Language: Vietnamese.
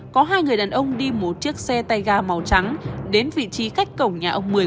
có hai người đàn ông đi một chiếc xe tay ga màu trắng đến vị trí cách cổng nhà ông một mươi